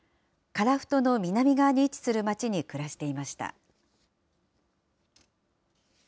樺太の南側に位置する町に暮らしていました。